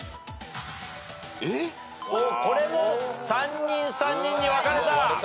これも３人３人に分かれた。